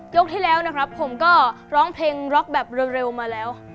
กที่แล้วนะครับผมก็ร้องเพลงร็อกแบบเร็วมาแล้ว